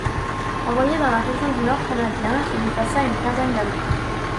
Envoyé dans la région du Nord canadien, il y passa une quinzaine d'années.